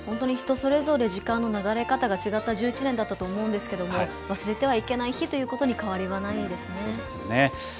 人それぞれ時間の流れ方が違った１１年だったと思うんですけれども忘れてはいけない日ということに変わりはないですね。